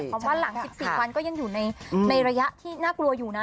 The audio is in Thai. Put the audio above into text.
คำว่าหลัง๑๔วันอะไรถึงก็ยังอยู่ในระยะที่น่ากลัวอยู่นะ